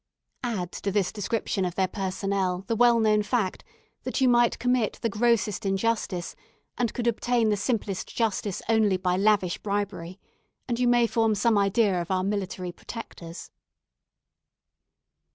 Add to this description of their personnel the well known fact, that you might commit the grossest injustice, and could obtain the simplest justice only by lavish bribery, and you may form some idea of our military protectors.